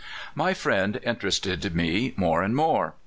My friend interested me more and more.